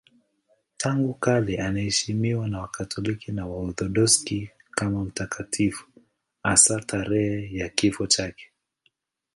Tangu kale anaheshimiwa na Wakatoliki na Waorthodoksi kama mtakatifu, hasa tarehe ya kifo chake.